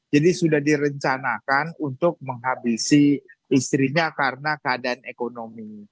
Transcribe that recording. jadi sudah direncanakan untuk menghabisi istrinya karena keadaan ekonomi